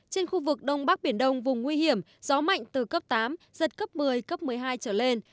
trên khu vực đông bắc biển đông vùng nguy hiểm gió mạnh từ cấp tám giật cấp một mươi cấp một mươi hai trở lên